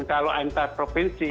kalau antar provinsi